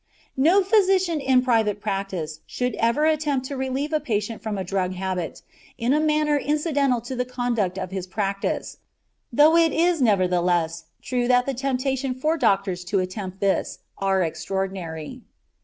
No physician in private practice should ever attempt to relieve a patient from a drug habit in a manner incidental to the conduct of his practice, though it is nevertheless true that the temptation for doctors to attempt this are extraordinary.